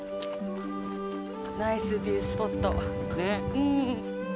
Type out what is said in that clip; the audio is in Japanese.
ナイスビュースポット。ね？